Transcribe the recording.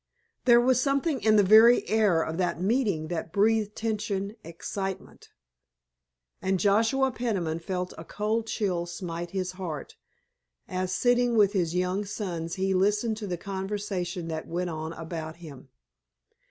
There was something in the very air of that meeting that breathed tension, excitement. And Joshua Peniman felt a cold chill smite his heart, as sitting with his young sons he listened to the conversation that went on about him.